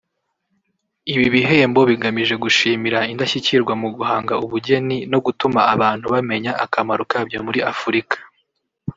Ibi bihembo bigamije gushimira indashyikirwa mu guhanga ubugeni no gutuma abantu bamenya akamaro kabyo muri Afurika